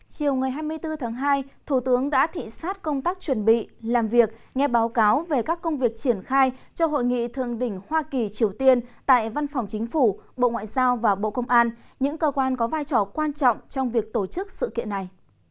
chiều ngày hai mươi bốn tháng hai thủ tướng đã thị xát công tác chuẩn bị làm việc nghe báo cáo về các công việc triển khai cho hội nghị thường đỉnh hoa kỳ triều tiên tại văn phòng chính phủ bộ ngoại giao và bộ công an những cơ quan có vai trò quan trọng trong việc tổ chức sự kiện này